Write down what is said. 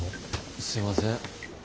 すいません。